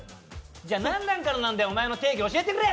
じゃ、何段からなんだよ、おまえの定義教えてくれ！！